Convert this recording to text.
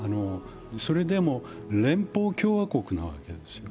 それでも連邦共和国なわけですよ。